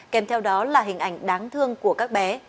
kèm theo đó là hình ảnh đáng thương của các bé